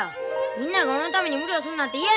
みんなが俺のために無理をするなんて嫌や！